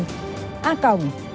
a truyền hình công an